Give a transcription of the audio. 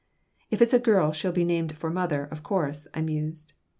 "If it's a girl she'll be named for mother, of course," I mused.